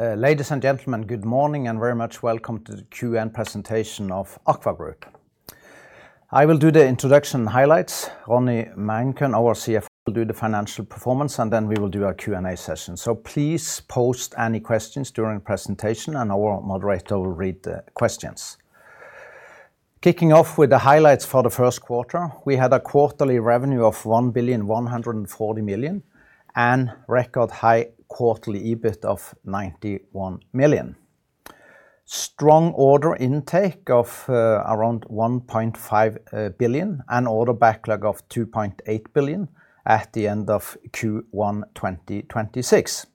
Ladies and gentlemen, good morning and very much welcome to the Q1 presentation of AKVA Group. I will do the introduction highlights. Ronny Meinkøhn, our CFO, will do the financial performance, and then we will do our Q&A session. Please post any questions during presentation and our moderator will read the questions. Kicking off with the highlights for theQ1, we had a quarterly revenue of 1.14 billion and record high quarterly EBIT of 91 million. Strong order intake of around 1.5 billion and order backlog of 2.8 billion at the end of Q1 2026.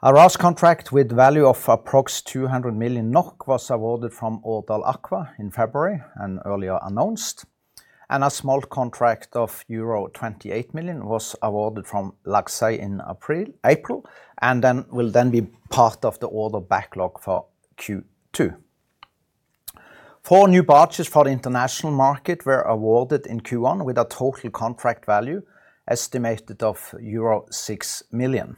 A RAS contract with value of approx. 200 million NOK was awarded from Årdal Aqua in February and earlier announced. A SMART contract of euro 28 million was awarded from Laxey in April, and will then be part of the order backlog for Q2. Four new barges for the international market were awarded in Q1 with a total contract value estimated of euro 6 million.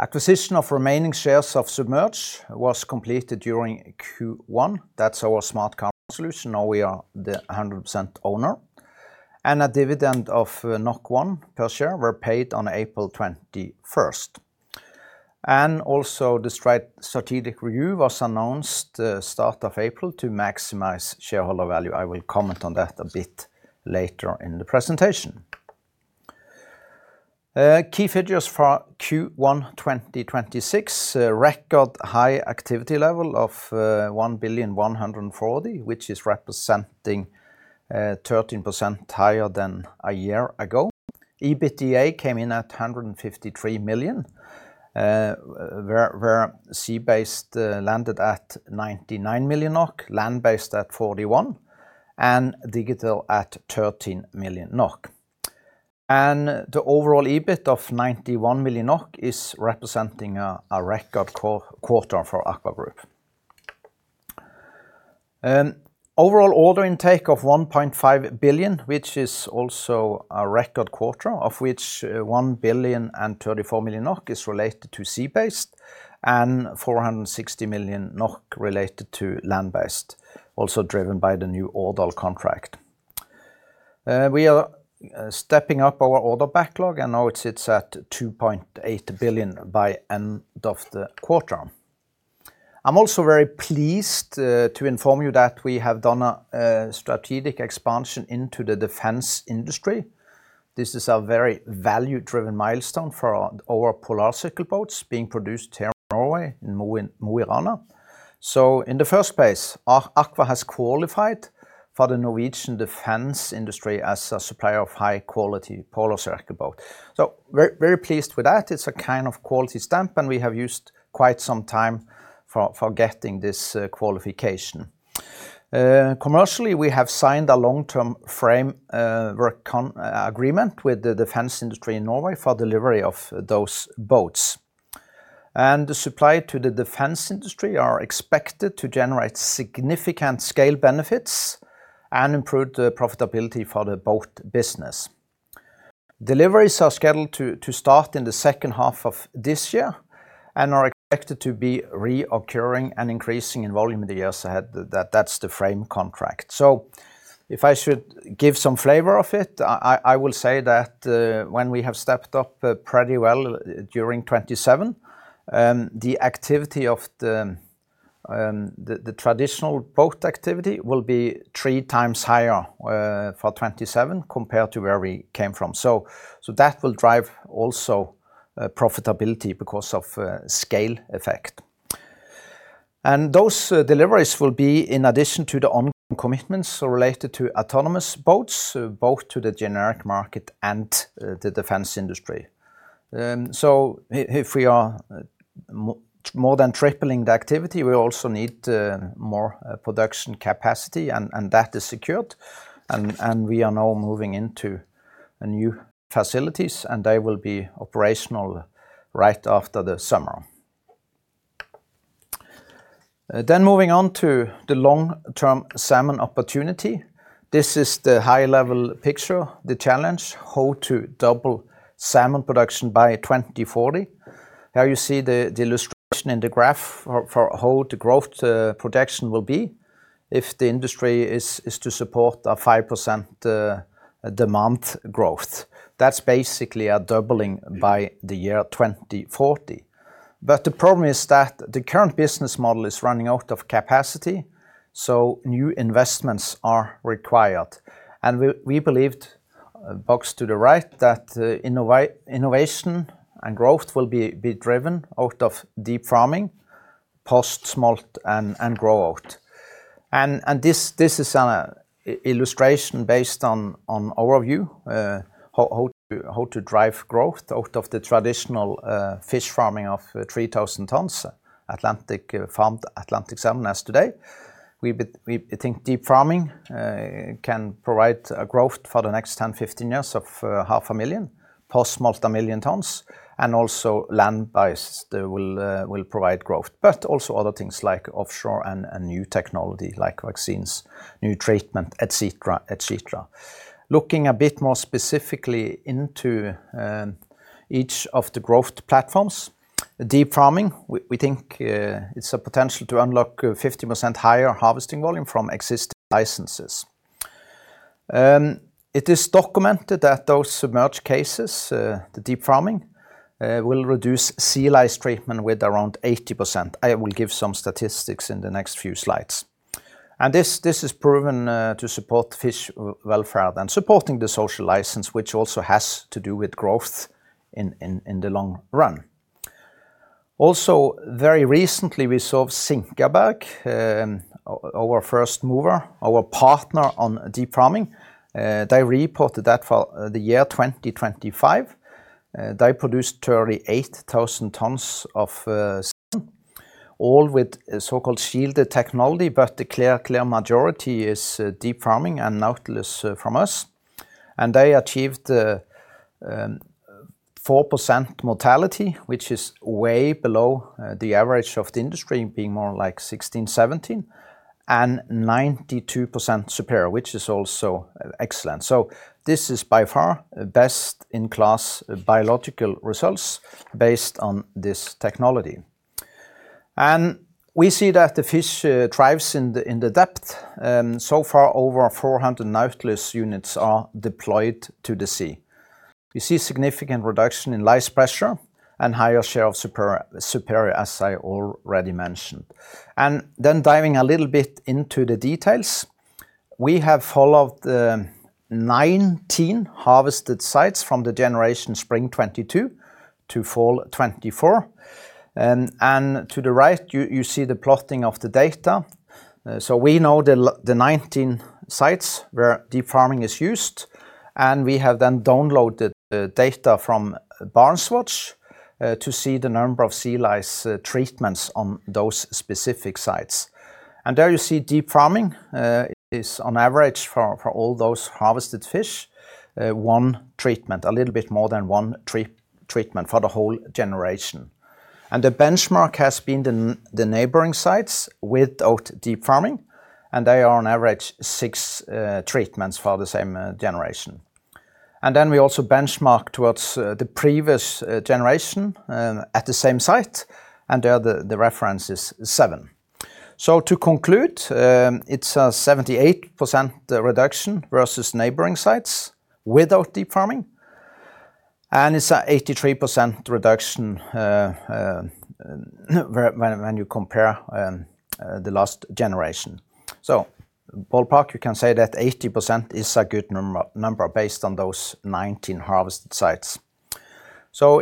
Acquisition of remaining shares of Submerged was completed during Q1. That's our SMART console solution. Now we are the 100% owner. A dividend of 1 per share were paid on April 21st. The strategic review was announced start of April to maximize shareholder value. I will comment on that a bit later in the presentation. Key figures for Q1 2026. Record high activity level of 1.14 billion, which is representing 13% higher than a year ago. EBITDA came in at 153 million, where Sea Based landed at 99 million, Land Based at 41 million, and Digital at 13 million. The overall EBIT of 91 million is representing a record quarter for AKVA Group. Overall order intake of 1.5 billion, which is also a record quarter, of which 1.034 billion is related to Sea Based and 460 million NOK related to Land Based, also driven by the new Årdal contract. We are stepping up our order backlog, now it sits at 2.8 billion by end of the quarter. I'm also very pleased to inform you that we have done a strategic expansion into the defense industry. This is a very value-driven milestone for our Polarcirkel boats being produced here in Norway in Mo i Rana. In the first place, AKVA has qualified for the Norwegian defense industry as a supplier of high-quality Polarcirkel boat. Very pleased with that. It's a kind of quality stamp, and we have used quite some time for getting this qualification. Commercially, we have signed a long-term framework agreement with the defense industry in Norway for delivery of those boats. The supply to the defense industry are expected to generate significant scale benefits and improve the profitability for the boat business. Deliveries are scheduled to start in the H2 of this year and are expected to be reoccurring and increasing in volume in the years ahead. That's the frame contract. If I should give some flavor of it, I will say that when we have stepped up pretty well during 2027, the activity of the traditional boat activity will be 3x higher for 2027 compared to where we came from. That will drive also profitability because of scale effect. Those deliveries will be in addition to the ongoing commitments related to autonomous boats, both to the generic market and the defense industry. If we are more than tripling the activity, we also need more production capacity and that is secured. We are now moving into new facilities, and they will be operational right after the summer. Moving on to the long-term salmon opportunity. This is the high level picture, the challenge, how to double salmon production by 2040. Here you see the illustration in the graph for how the growth projection will be if the industry is to support a 5% demand growth. That's basically a doubling by the year 2040. The problem is that the current business model is running out of capacity, so new investments are required. We believed, box to the right, that innovation and growth will be driven out of deep farming, post-smolt, and grow-out. This is an illustration based on our view, how to drive growth out of the traditional fish farming of 3,000 tons Atlantic farmed, Atlantic salmon as today. We think deep farming can provide a growth for the next 10 years, 15 years of 500,000, post-smolt a million tons, and also land-based will provide growth. Also other things like offshore and new technology like vaccines, new treatment, et cetera, et cetera. Looking a bit more specifically into each of the growth platforms. Deep farming, we think it's a potential to unlock a 50% higher harvesting volume from existing licenses. It is documented that those submerged cases, the deep farming, will reduce sea lice treatment with around 80%. I will give some statistics in the next few slides. This is proven to support fish welfare and supporting the social license, which also has to do with growth in the long run. Very recently, we saw Sinkaberg, our first mover, our partner on deep farming, they reported that for the year 2025, they produced 38,000 tons of salmon, all with so-called shielded technology, but the clear majority is deep farming and Nautilus from us. They achieved 4% mortality, which is way below the average of the industry being more like 16, 17, and 92% superior, which is also excellent. This is by far best in class biological results based on this technology. We see that the fish thrives in the depth. So far, over 400 Nautilus units are deployed to the sea. You see significant reduction in lice pressure and higher share of superior, as I already mentioned. Then diving a little bit into the details, we have followed the 19 harvested sites from the generation spring 2022 to fall 2024. To the right, you see the plotting of the data. We know the 19 sites where deep farming is used, and we have then downloaded the data from BarentsWatch to see the number of sea lice treatments on those specific sites. There you see deep farming is on average for all those harvested fish, one treatment, a little bit more than one treatment for the whole generation. The benchmark has been the neighboring sites without deep farming, and they are on average six treatments for the same generation. We also benchmark towards the previous generation at the same site, and there the reference is seven. To conclude, it's a 78% reduction versus neighboring sites without deep farming, and it's a 83% reduction when you compare the last generation. Ballpark, you can say that 80% is a good number based on those 19 harvested sites.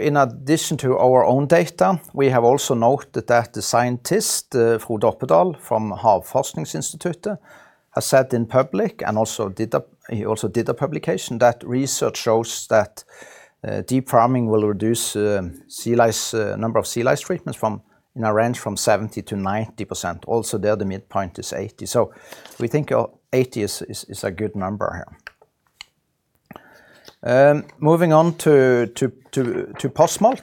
In addition to our own data, we have also noted that the scientist Frode Oppedal from Havforskningsinstituttet has said in public, and he also did a publication, that research shows that deep farming will reduce sea lice number of sea lice treatments from, in a range from 70%-90%. Also, there the midpoint is 80%. We think 80 is a good number here. Moving on to post-smolt.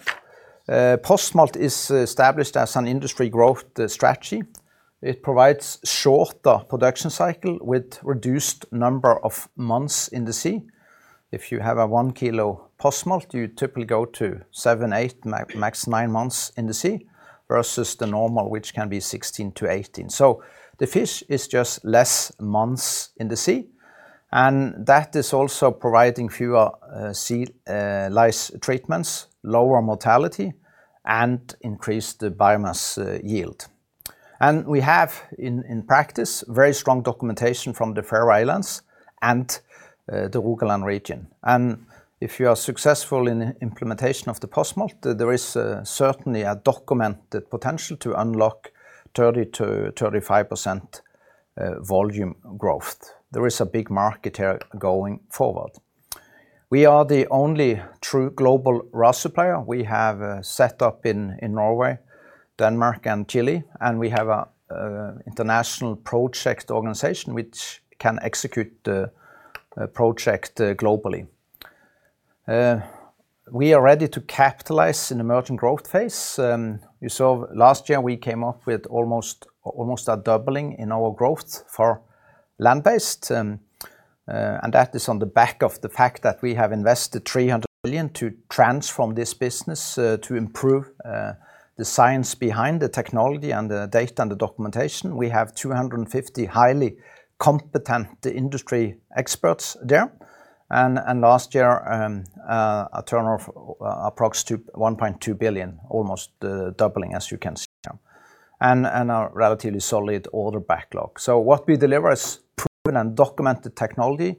Post-smolt is established as an industry growth strategy. It provides shorter production cycle with reduced number of months in the sea. If you have a 1 kilo post-smolt, you typically go to 7, 8, max 9 months in the sea versus the normal, which can be 16 to 18 months. The fish is just less months in the sea, and that is also providing fewer sea lice treatments, lower mortality, and increased biomass yield. We have in practice very strong documentation from the Faroe Islands and the Rogaland region. If you are successful in implementation of the post-smolt, there is certainly a documented potential to unlock 30%-35% volume growth. There is a big market here going forward. We are the only true global RAS supplier. We have set up in Norway, Denmark, and Chile, and we have an international project organization which can execute the project globally. We are ready to capitalize an emerging growth phase. You saw last year we came up with almost a doubling in our growth for land-based. That is on the back of the fact that we have invested 300 billion to transform this business to improve the science behind the technology and the data and the documentation. We have 250 highly competent industry experts there. Last year, a turnover approx to 1.2 billion, almost the doubling as you can see here, and a relatively solid order backlog. What we deliver is proven and documented technology,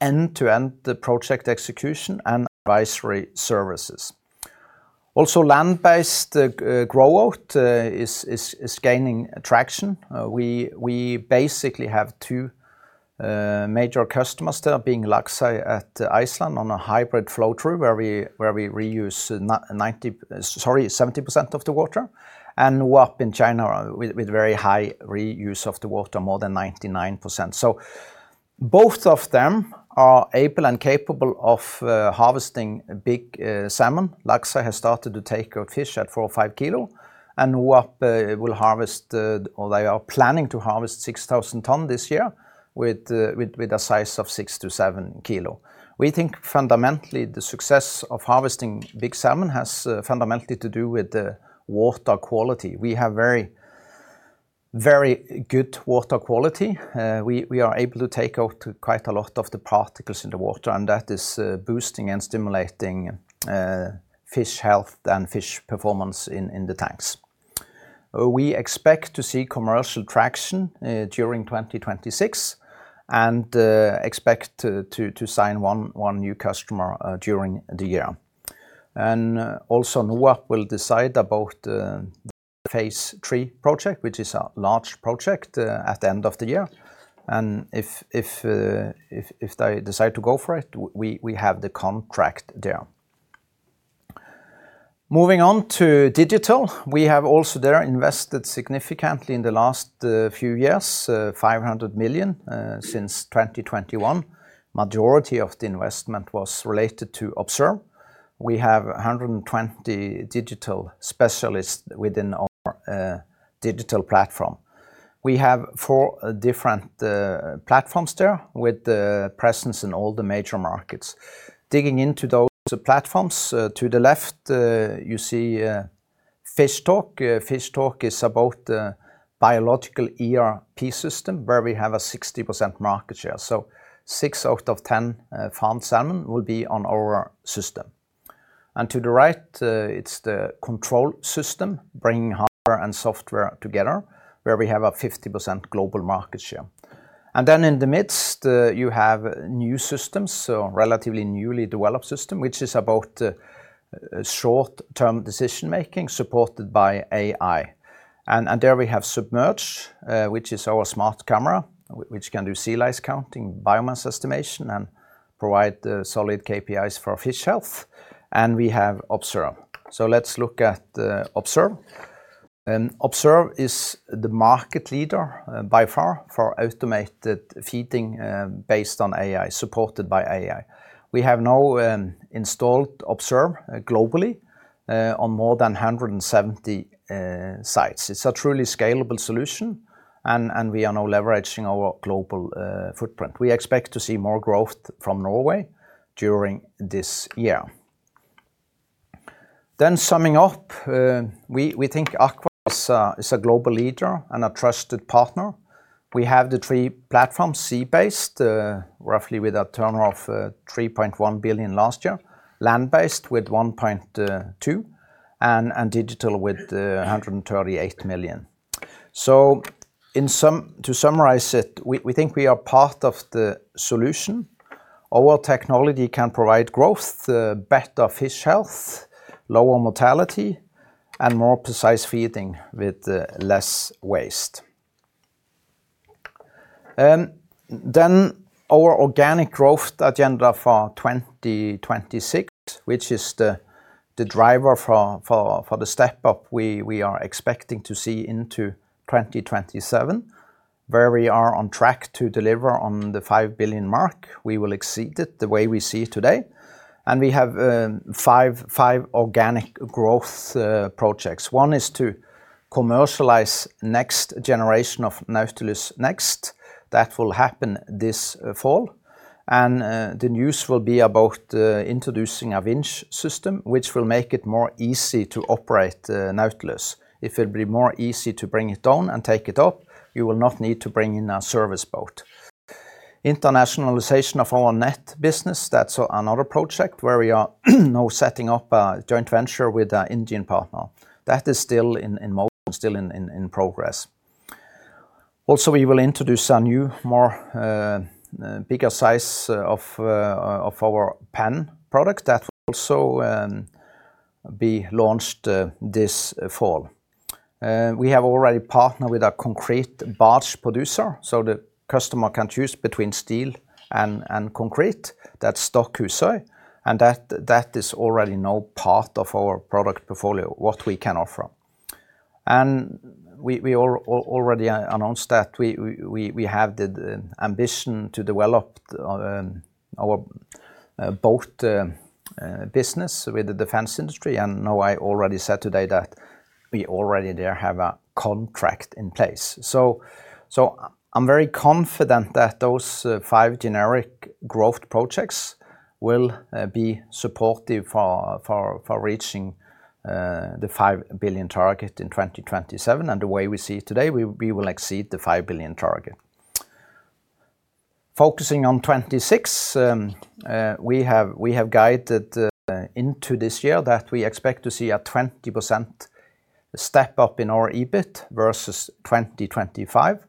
end-to-end the project execution, and advisory services. Also, land-based grow out is gaining traction. We basically have two major customers there being Laxey at Iceland on a hybrid flow-through where we, where we reuse, sorry, 70% of the water, and NAP in China with very high reuse of the water, more than 99%. Both of them are able and capable of harvesting big salmon. Laxey has started to take out fish at 4 or 5 kilo, and NAP will harvest, or they are planning to harvest 6,000 tons this year with a size of 6 to 7 kilo. We think fundamentally the success of harvesting big salmon has fundamentally to do with the water quality. We have very good water quality. We are able to take out quite a lot of the particles in the water, and that is boosting and stimulating fish health and fish performance in the tanks. We expect to see commercial traction during 2026 and expect to sign one new customer during the year. Also, NOAP will decide about the phase III project, which is a large project at the end of the year, and if they decide to go for it, we have the contract there. Moving on to digital, we have also there invested significantly in the last few years, 500 million since 2021. Majority of the investment was related to Observe. We have 120 digital specialists within our digital platform. We have four different platforms there with the presence in all the major markets. Digging into those platforms, to the left, you see FishTalk. FishTalk is about biological ERP system where we have a 60% market share. Six out of 10 farmed salmon will be on our system. To the right, it's the control system, bringing hardware and software together, where we have a 50% global market share. In the midst, you have new systems, so relatively newly developed system, which is about short-term decision-making supported by AI. There we have AKVA Submerged, which is our smart camera, which can do sea lice counting, biomass estimation, and provide solid KPIs for fish health, and we have AKVA Observe. Let's look at AKVA Observe. AKVA Observe is the market leader by far for automated feeding, based on AI, supported by AI. We have now installed AKVA Observe globally on more than 170 sites. It's a truly scalable solution and we are now leveraging our global footprint. We expect to see more growth from Norway during this year. Summing up, we think AKVA Group is a global leader and a trusted partner. We have the three platforms, sea-based, roughly with a turnover of 3.1 billion last year, land-based with 1.2 billion, and digital with 138 million. To summarize it, we think we are part of the solution. Our technology can provide growth, better fish health, lower mortality, and more precise feeding with less waste. Our organic growth agenda for 2026, which is the driver for the step up we are expecting to see into 2027, where we are on track to deliver on the 5 billion mark. We will exceed it the way we see it today. We have five organic growth projects. One is to commercialize next generation of Nautilus Next. That will happen this fall. The news will be about introducing a winch system, which will make it more easy to operate Nautilus. It will be more easy to bring it down and take it up. You will not need to bring in a service boat. Internationalization of our net business, that's another project where we are now setting up a joint venture with a Indian partner. That is still in motion, still in progress. We will introduce a new, more bigger size of our pen product that will also be launched this fall. We have already partnered with a concrete barge producer, so the customer can choose between steel and concrete. That's DOKK Husøy. That is already now part of our product portfolio, what we can offer. We already announced that we have the ambition to develop our both business with the defense industry and now I already said today that we already there have a contract in place. I'm very confident that those five generic growth projects will be supportive for reaching the 5 billion target in 2027. The way we see it today, we will exceed the 5 billion target. Focusing on 2026, we have guided into this year that we expect to see a 20% step-up in our EBIT versus 2025.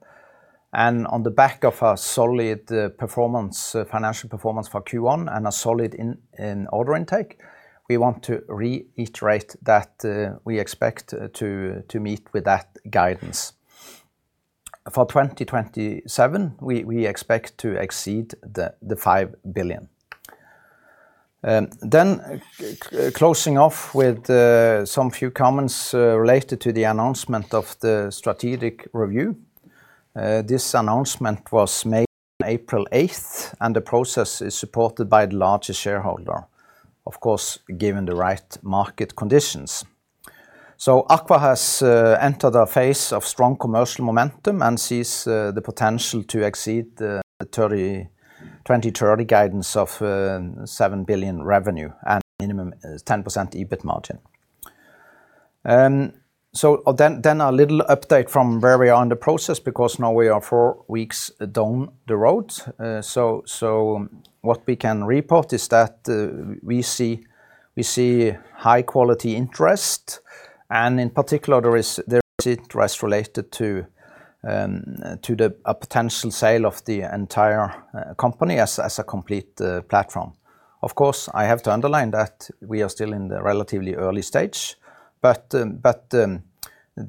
On the back of a solid performance, financial performance for Q1 and a solid order intake, we want to reiterate that we expect to meet with that guidance. For 2027, we expect to exceed the 5 billion. Closing off with some few comments related to the announcement of the strategic review. This announcement was made on April 8th, the process is supported by the largest shareholder, of course, given the right market conditions. AKVA has entered a phase of strong commercial momentum and sees the potential to exceed the 2030 guidance of 7 billion revenue and minimum is 10% EBIT margin. A little update from where we are in the process, because now we are 4 weeks down the road. What we can report is that we see high quality interest, and in particular, there is interest related to a potential sale of the entire company as a complete platform. Of course, I have to underline that we are still in the relatively early stage,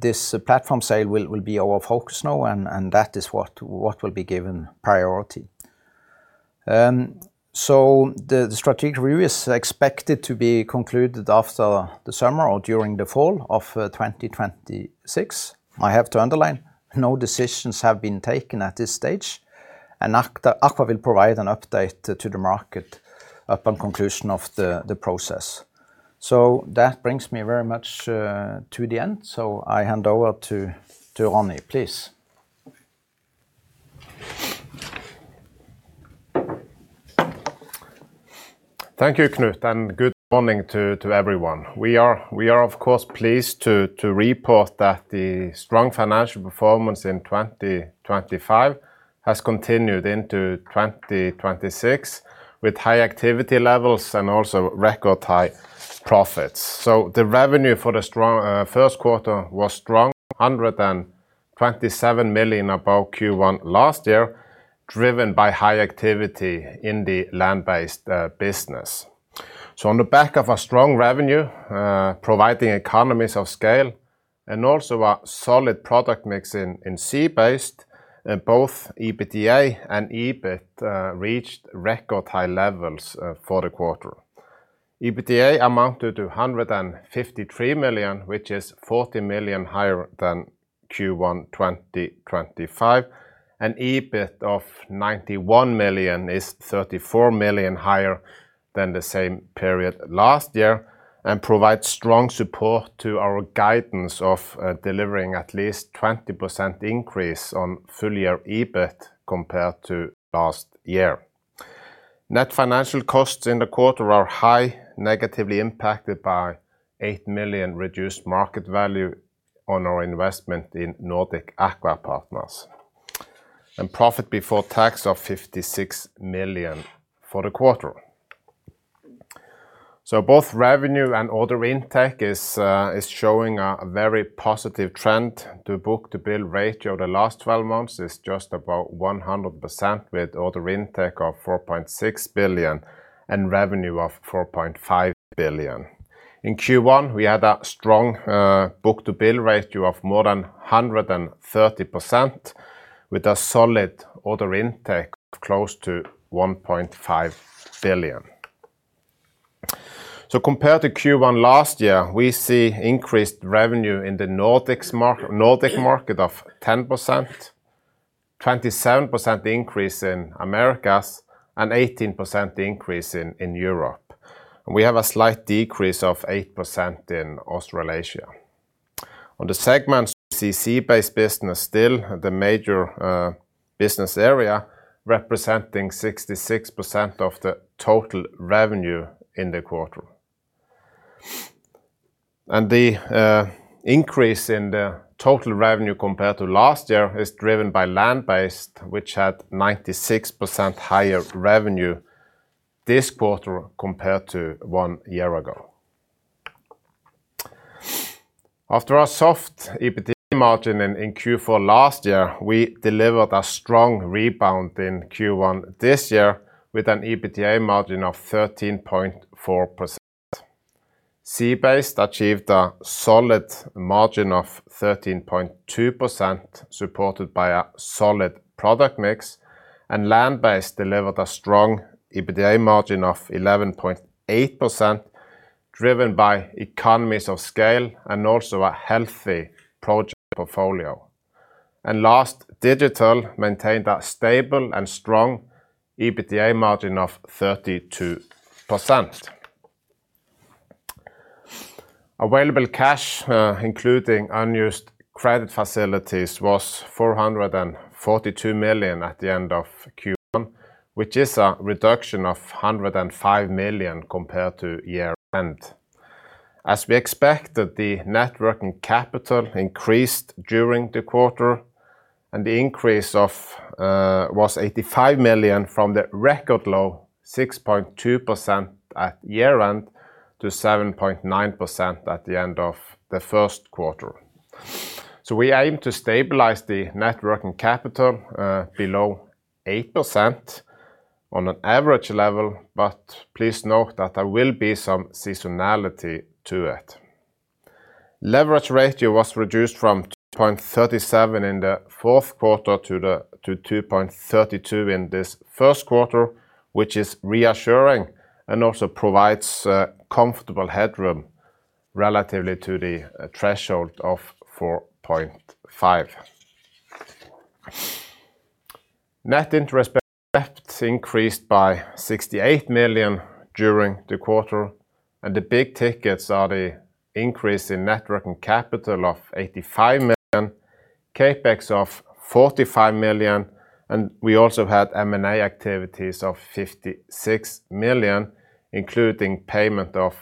this platform sale will be our focus now, and that is what will be given priority. The strategic review is expected to be concluded after the summer or during the fall of 2026. I have to underline, no decisions have been taken at this stage, and AKVA will provide an update to the market upon conclusion of the process. That brings me very much to the end. I hand over to Ronny, please. Thank you, Knut, good morning to everyone. We are, of course, pleased to report that the strong financial performance in 2025 has continued into 2026, with high activity levels and also record high profits. The revenue for the strong, Q1 was strong, 127 million above Q1 last year, driven by high activity in the land-based business. On the back of a strong revenue, providing economies of scale and also a solid product mix in sea-based, both EBITDA and EBIT reached record high levels for the quarter. EBITDA amounted to 153 million, which is 40 million higher than Q1 2025. EBIT of 91 million is 34 million higher than the same period last year and provides strong support to our guidance of delivering at least 20% increase on full year EBIT compared to last year. Net financial costs in the quarter are high, negatively impacted by 8 million reduced market value on our investment in Nordic Aqua Partners. Profit before tax of 56 million for the quarter. Both revenue and order intake is showing a very positive trend. The book-to-bill ratio of the last 12 months is just about 100%, with order intake of 4.6 billion and revenue of 4.5 billion. In Q1, we had a strong book-to-bill ratio of more than 130%, with a solid order intake of close to 1.5 billion. Compared to Q1 last year, we see increased revenue in the Nordic market of 10%, 27% increase in Americas, and 18% increase in Europe. We have a slight decrease of 8% in Australasia. On the segments, we see sea-based business still the major business area, representing 66% of the total revenue in the quarter. The increase in the total revenue compared to last year is driven by land-based, which had 96% higher revenue this quarter compared to one year ago. After our soft EBITDA margin in Q4 last year, we delivered a strong rebound in Q1 this year with an EBITDA margin of 13.4%. Sea-based achieved a solid margin of 13.2%, supported by a solid product mix, and land-based delivered a strong EBITDA margin of 11.8%, driven by economies of scale and also a healthy project portfolio. Last, digital maintained a stable and strong EBITDA margin of 32%. Available cash, including unused credit facilities, was 442 million at the end of Q1, which is a reduction of 105 million compared to year-end. As we expected, the net working capital increased during the quarter, and the increase of was 85 million from the record low 6.2% at year-end to 7.9% at the end of the Q1. We aim to stabilize the net working capital below 8% on an average level, but please note that there will be some seasonality to it. Leverage ratio was reduced from 2.37 in the Q4 to 2.32 in this Q1, which is reassuring and also provides comfortable headroom relatively to the threshold of 4.5. Net interest-bearing debt increased by 68 million during the quarter. The big tickets are the increase in net working capital of 85 million, CapEx of 45 million, and we also had M&A activities of 56 million, including payment of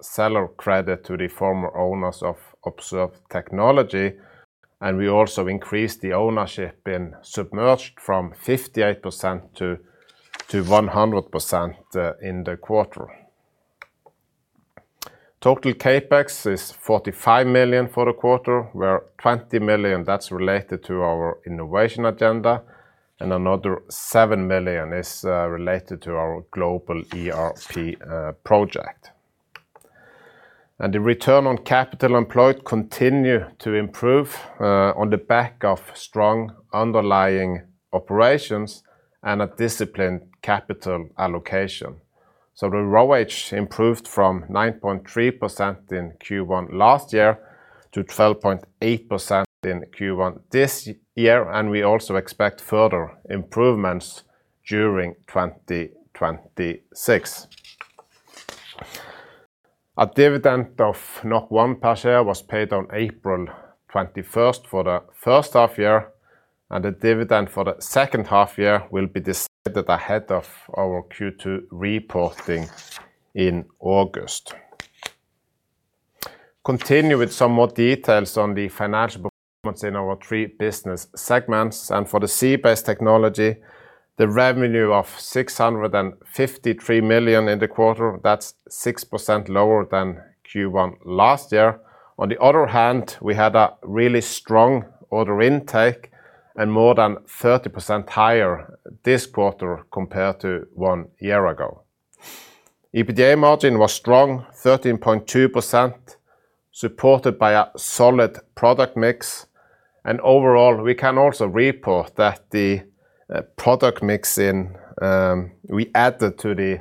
seller credit to the former owners of Observe Technologies. We also increased the ownership in Submerged from 58% to 100% in the quarter. Total CapEx is 45 million for the quarter, where 20 million, that's related to our innovation agenda, and another 7 million is related to our global ERP project. The return on capital employed continued to improve on the back of strong underlying operations and a disciplined capital allocation. The ROCE improved from 9.3% in Q1 last year to 12.8% in Q1 this year, and we also expect further improvements during 2026. A dividend of 1 per share was paid on April 21st for the H1 year, and the dividend for the H2 year will be decided ahead of our Q2 reporting in August. Continue with some more details on the financial performance in our three business segments. For the sea-based technology, the revenue of 653 million in the quarter, that's 6% lower than Q1 last year. On the other hand, we had a really strong order intake, more than 30% higher this quarter compared to one year ago. EBITDA margin was strong, 13.2%, supported by a solid product mix. Overall, we can also report that the product mix we added to the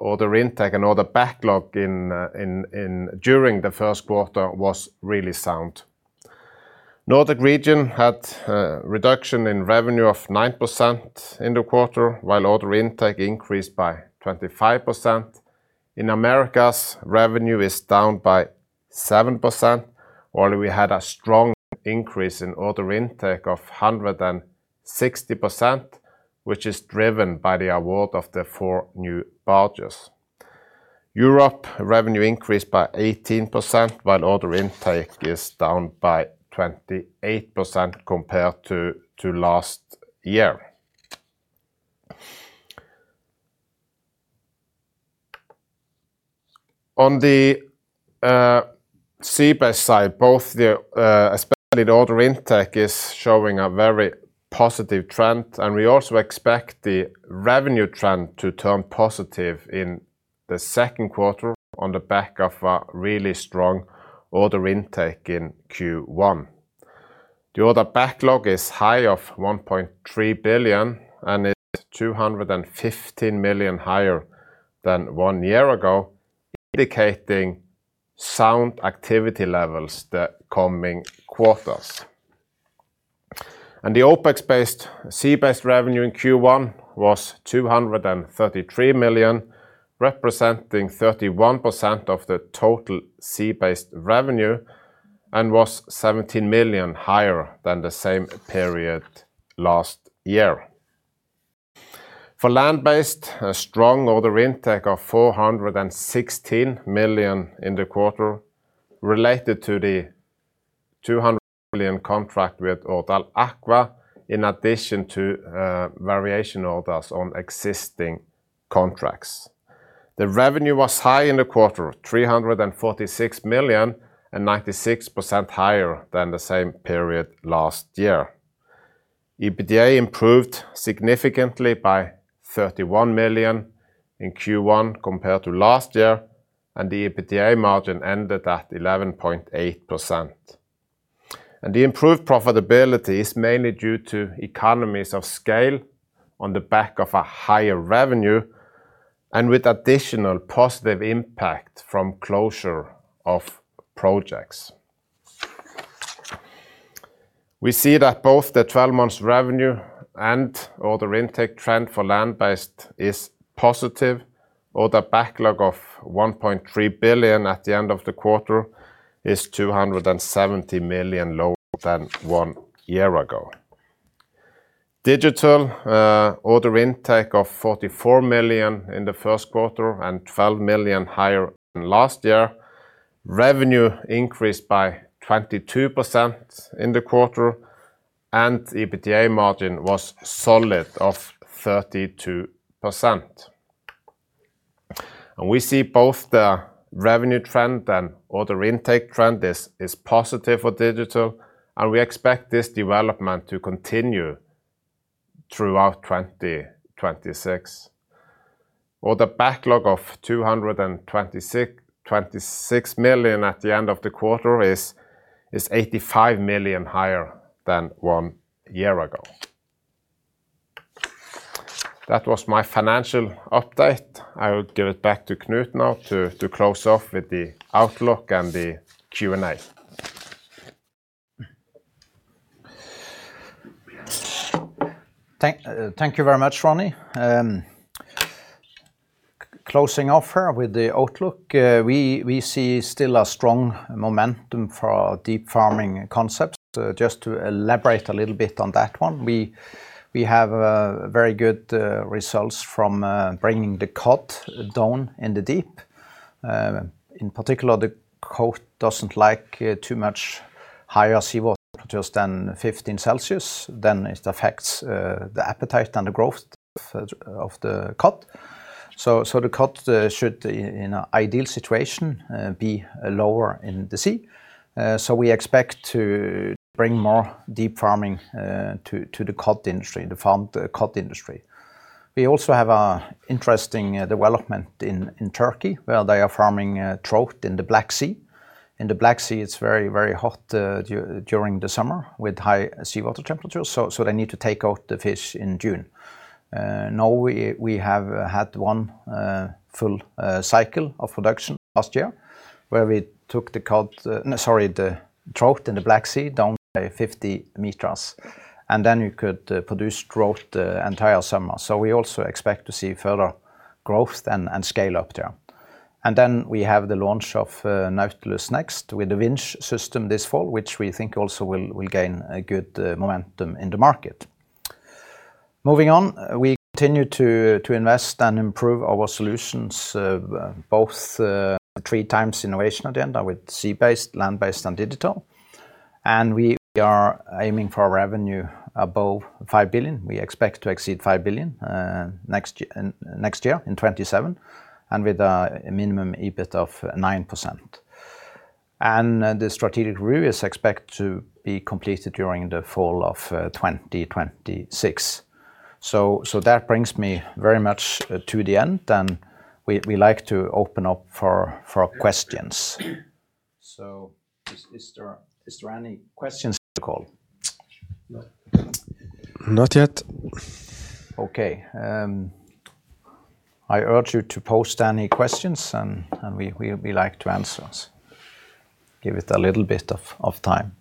order intake and order backlog during the Q1 was really sound. Nordic region had a reduction in revenue of 9% in the quarter, while order intake increased by 25%. In Americas, revenue is down by 7%, while we had a strong increase in order intake of 160%, which is driven by the award of the four new barges. Europe revenue increased by 18%, while order intake is down by 28% compared to last year. On the sea-based side, both the expected order intake is showing a very positive trend. We also expect the revenue trend to turn positive in the Q2 on the back of a really strong order intake in Q1. The order backlog is high of 1.3 billion and is 215 million higher than one year ago, indicating sound activity levels the coming quarters. The OPEX-based sea-based revenue in Q1 was 233 million, representing 31% of the total sea-based revenue and was 17 million higher than the same period last year. For land-based, a strong order intake of 416 million in the quarter related to the 200 million contract with Årdal Aqua in addition to variation orders on existing contracts. The revenue was high in the quarter, 346 million and 96% higher than the same period last year. EBITDA improved significantly by 31 million in Q1 compared to last year and the EBITDA margin ended at 11.8%. The improved profitability is mainly due to economies of scale on the back of a higher revenue and with additional positive impact from closure of projects. We see that both the 12-month revenue and order intake trend for land-based is positive. Order backlog of 1.3 billion at the end of the quarter is 270 million lower than one year ago. Digital order intake of 44 million in the Q1 and 12 million higher than last year. Revenue increased by 22% in the quarter and EBITDA margin was solid of 32%. We see both the revenue trend and order intake trend is positive for digital and we expect this development to continue throughout 2026. Order backlog of 226 million at the end of the quarter is 85 million higher than one year ago. That was my financial update. I will give it back to Knut now to close off with the outlook and the Q&A Thank you very much, Ronny. Closing off here with the outlook, we see still a strong momentum for our deep farming concepts. Just to elaborate a little bit on that one, we have very good results from bringing the cod down in the deep. In particular, the cod doesn't like too much higher seawater temperatures than 15 degrees Celsius, then it affects the appetite and the growth of the cod. The cod should, in a ideal situation, be lower in the sea. We expect to bring more deep farming to the cod industry, the farmed cod industry. We also have a interesting development in Turkey, where they are farming trout in the Black Sea. In the Black Sea it's very, very hot during the summer with high seawater temperatures, they need to take out the fish in June. Now we have had one full cycle of production last year where we took the trout in the Black Sea down to 50 m, then you could produce trout the entire summer. We also expect to see further growth and scale-up there. Then we have the launch of Nautilus Next with the winch system this fall, which we think also will gain a good momentum in the market. Moving on, we continue to invest and improve our solutions, both the 3x innovation agenda with sea-based, land-based and digital. We are aiming for a revenue above 5 billion. We expect to exceed 5 billion next year in 2027 and with a minimum EBIT of 9%. The strategic review is expect to be completed during the fall of 2026. That brings me very much to the end, and we like to open up for questions. Is there any questions on the call? No. Not yet. Okay. I urge you to post any questions and we like to answer. Give it a little bit of time.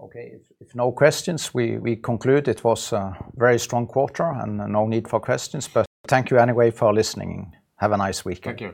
Okay. If no questions, we conclude. It was a very strong quarter and no need for questions, but thank you anyway for listening. Have a nice weekend.